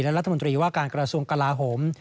และรัฐมนตรีว่าการกระทรวงกลาโหม